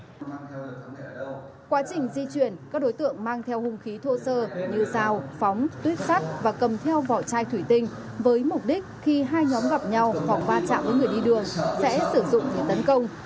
trong quá trình di chuyển các đối tượng mang theo hung khí thô sơ như rào phóng tuyếp sắt và cầm theo vỏ chai thủy tinh với mục đích khi hai nhóm gặp nhau hoặc va chạm với người đi đường sẽ sử dụng để tấn công